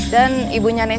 sampai jumpa lagi om